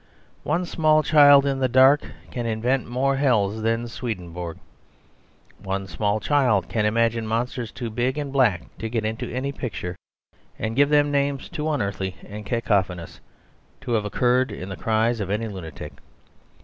One small child in the dark can invent more hells than Swedenborg. One small child can imagine monsters too big and black to get into any picture, and give them names too unearthly and cacophonous to have occurred in the cries of any lunatic.